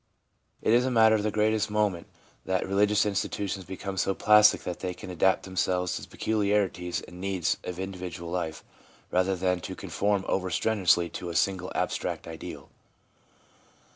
It is a matter of the greatest moment that religious institutions become so plastic that they can adapt themselves to the peculiarities and needs of individual life, rather than to conform over strenuously to a single, abstract ideal.